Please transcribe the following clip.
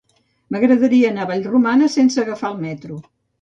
M'agradaria anar a Vallromanes sense agafar el metro.